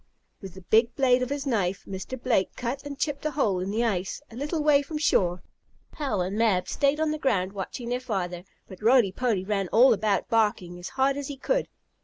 With the big blade of his knife, Mr. Blake cut and chipped a hole in the ice, a little way from shore. Hal and Mab stayed on the ground watching their father, but Roly Poly ran all about, barking as hard as he could.